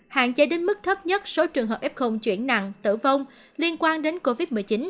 hạn chế đến mức thấp nhất số trường hợp f chuyển nặng tử vong liên quan đến covid một mươi chín